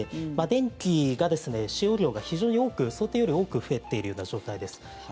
電気の使用量が非常に多く想定より多く増えているような状態です。